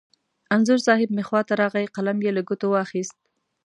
انځور صاحب مې خوا ته راغی، قلم یې له ګوتو واخست.